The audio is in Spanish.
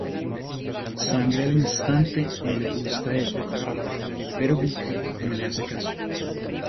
Sangre al instante no le gusta ella, pero Vic no le hace caso.